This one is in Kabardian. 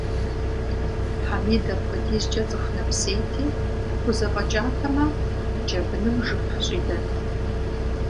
Хьэмид апхуэдизкӏэ цӏыху нэпсейти, хузэфӏэкӏатэмэ, джэбыным жып щӏидэнт.